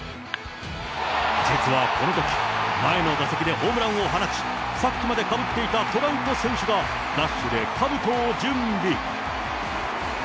実はこのとき、前の打席でホームランを放ち、さっきまでかぶっていたトラウト選手がダッシュでかぶとを準備。